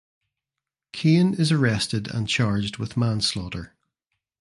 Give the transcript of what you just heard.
Cain is arrested and charged with manslaughter.